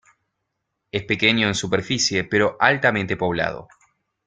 Es pequeño en superficie pero altamente poblado.